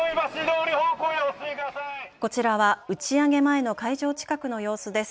こちらは打ち上げ前の会場近くの様子です。